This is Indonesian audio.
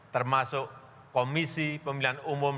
termasuk komisi pemilihan umum